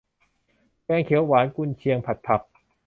แกงเขียวหวาน กุนเชียง ผัดผัก